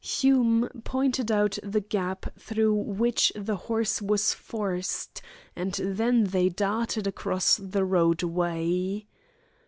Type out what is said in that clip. Hume pointed out the gap through which the horse was forced, and then they darted across the roadway.